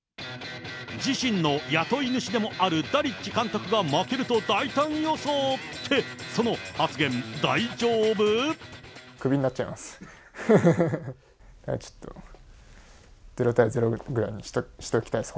自身の雇い主でもあるダリッチ監督が負けると大胆予想、って、クビになっちゃいます。